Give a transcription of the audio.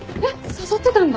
誘ってたんだ。